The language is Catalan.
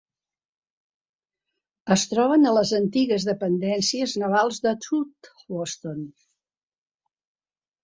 Es troben a les antigues dependències navals de South Boston.